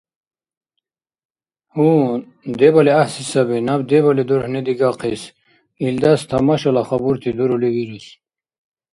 Гьу, дебали гӀяхӀси саби. Наб дебали дурхӀни дигахъис, илдас тамашала хабурти дурули вирус.